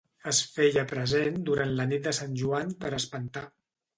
Es feia present durant la nit de Sant Joan per espantar.